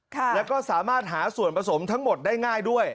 แล้วก็สามารถหาส่วนผสมทั้งหมดได้ง่ายด้วย